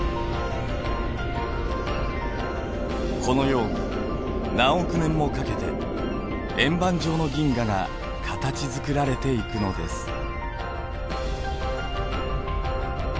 このように何億年もかけて円盤状の銀河が形づくられていくのです。